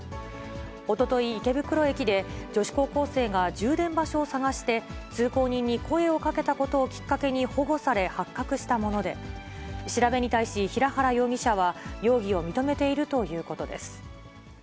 おととい、池袋駅で、女子高校生が充電場所を探して、通行人に声をかけたことをきっかけに保護され、発覚したもので、調べに対し平原容疑者は、容疑を認めているということです。